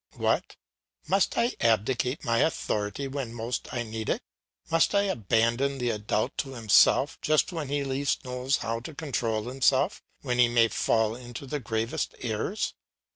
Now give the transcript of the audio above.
What! Must I abdicate my authority when most I need it? Must I abandon the adult to himself just when he least knows how to control himself, when he may fall into the gravest errors!